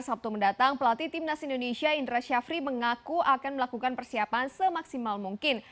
sabtu mendatang pelatih timnas indonesia indra syafri mengaku akan melakukan persiapan semaksimal mungkin